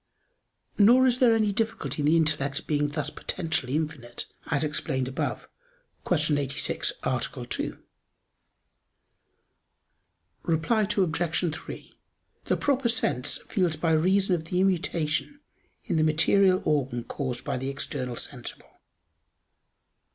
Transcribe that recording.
Nor is there any difficulty in the intellect being thus potentially infinite, as explained above (Q. 86, A. 2). Reply Obj. 3: The proper sense feels by reason of the immutation in the material organ caused by the external sensible.